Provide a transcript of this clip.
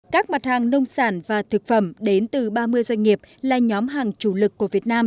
các mặt hàng nông sản và thực phẩm đến từ ba mươi doanh nghiệp là nhóm hàng chủ lực của việt nam